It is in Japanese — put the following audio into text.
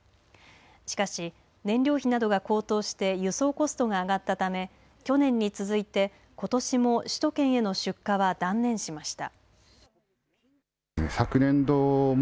しかし、燃料費などが高騰して輸送コストが上がったため去年に続いてことしも首都圏への出荷は断念しました。